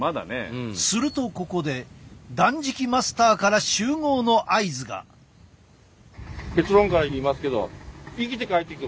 するとここで断食マスターから集合の合図が。え！？